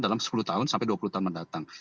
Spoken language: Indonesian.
dalam sepuluh tahun sampai dua puluh tahun mendatang